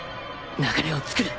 流れを作る！